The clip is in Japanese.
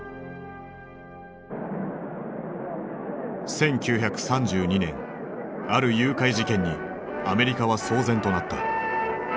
１９３２年ある誘拐事件にアメリカは騒然となった。